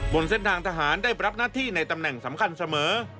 บนเส้นทางทหารได้รับหน้าที่ในตำแหน่งสำคัญเสมอ